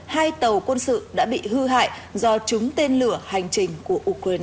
hai tàu quân sự đã bị hư hại do trúng tên lửa hành trình của ukraine